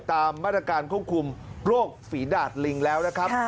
ตามมาตรการควบคุมโรคฝีดาดลิงแล้วนะครับ